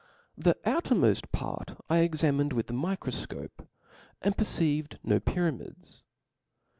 The out crmoft part I examined with the microfcope^ and perceived no pyramids.